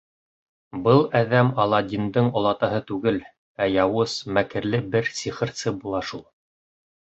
Был әҙәм Аладдиндың олатаһы түгел, ә яуыз, мәкерле бер сихырсы була шул.